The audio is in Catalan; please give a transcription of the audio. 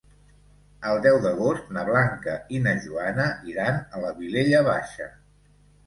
El deu d'agost na Blanca i na Joana iran a la Vilella Baixa.